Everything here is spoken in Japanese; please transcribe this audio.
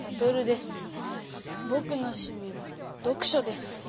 ぼくのしゅみは読書です。